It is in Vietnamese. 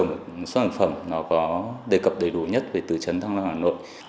một số sản phẩm nó có đề cập đầy đủ nhất về tư chấn thăng long hà nội